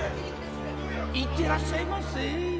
いってらっしゃいませ。